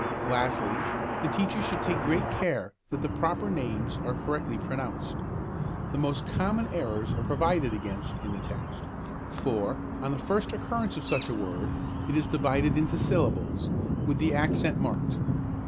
Lastly, the teacher should take great care that the proper names are correctly pronounced. The most common errors are provided against in the text; for, on the first occurrence of such a word, it is divided into syllables, with the accent marked.